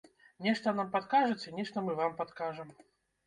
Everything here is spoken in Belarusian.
Нешта нам падкажаце, нешта мы вам падкажам.